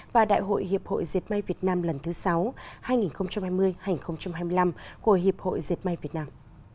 và đại hội hiệp hội diệt may việt nam lần thứ sáu hai nghìn hai mươi hai nghìn hai mươi năm của hiệp hội diệt may việt nam